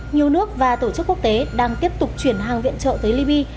nhiều nước và tổ chức quốc tế đang tiếp tục chuyển hàng viện trợ tới liby